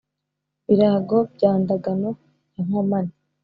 birago bya ndagano ya nkomane,